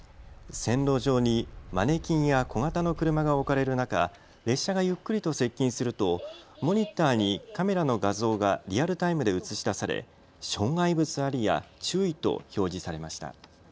線路上にマネキンや小型の車が置かれる中、列車がゆっくりと接近するとモニターにカメラの画像がリアルタイムで映し出され障害物ありや注意と表示されました。